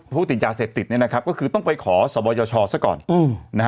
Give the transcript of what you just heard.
ผู้ติดยาเสพติดนี่นะครับก็คือต้องไปขอสบอยชซะก่อน